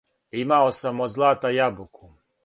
Имао сам од злата јабуку,